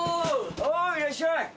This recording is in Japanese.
おー、いらっしゃい。